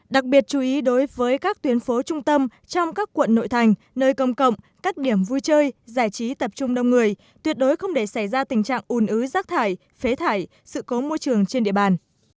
đặc biệt chú ý đối với các tuyến phố trung tâm trong các quận nội thành nơi công cộng các điểm vui chơi giải trí tập trung đông người tuyệt đối không để xảy ra tình trạng ùn ứ rác thải phế thải sự cố môi trường trên địa bàn